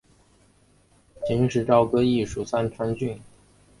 秦时朝歌邑属三川郡。